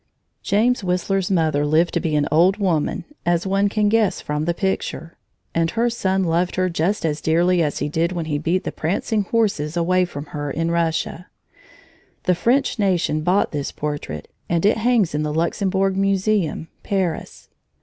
James Whistler's mother lived to be an old woman, as one can guess from the picture, and her son loved her just as dearly as he did when he beat the prancing horses away from her, in Russia. The French nation bought this portrait, and it hangs in the Luxembourg Museum, Paris.